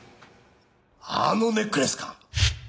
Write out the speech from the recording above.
あのネックレスか！